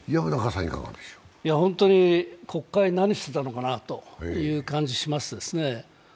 本当に国会何してたのかなという感じがしますね。